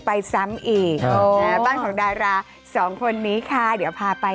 บ้านของดาราสองคนนี้ค่ะเดี๋ยวพาไป